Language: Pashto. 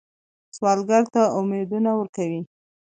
سوالګر ته امیدونه ورکوئ